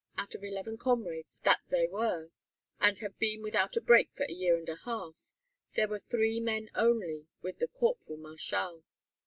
Out of eleven comrades that they were, and had been without a break for a year and a half, there were three men only with Corporal Marchal.